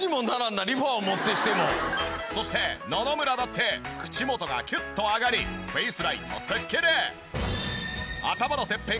そして野々村だって口元がキュッと上がりフェイスラインもスッキリ！